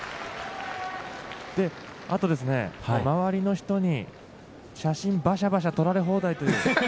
あと、周りの人に写真バシャバシャ撮られ放題という。